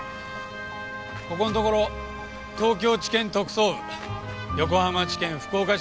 ここのところ東京地検特捜部横浜地検福岡地検